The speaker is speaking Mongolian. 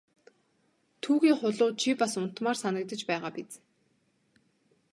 Түүхий хулуу чи бас унтмаар санагдаж байгаа биз!